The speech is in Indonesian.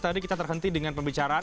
tadi kita terhenti dengan pembicaraan